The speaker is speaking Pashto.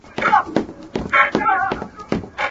د بل کټ تر نيمي شپې دئ.